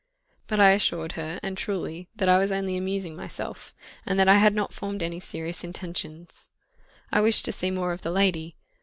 But I assured her, and truly, that I was only amusing myself, and that I had not formed any serious intentions. I wished to see more of the lady.